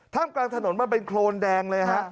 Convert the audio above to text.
ถ้ามกลางถนนมันเป็นโครนแดงเลยนะครับ